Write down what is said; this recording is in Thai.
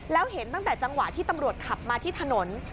แล้วเห็นตั้งแต่จังหวะที่ตำรวจขับมาที่ถนน